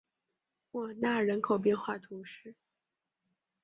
莫尔纳人口变化图示